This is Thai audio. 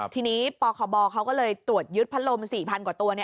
ทีนี้ปคบเขาก็เลยตรวจยึดพัดลม๔๐๐กว่าตัว